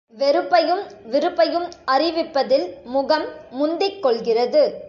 வெறுப்பையும், விருப்பையும் அறிவிப்பதில் முகம் முந்திக்கொள்கிறது.